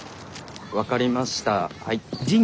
分かりましたはい。